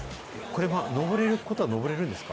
これ、上れることは上れるんですか。